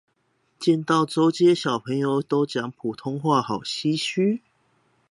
見到週街小朋友都講普通話好唏噓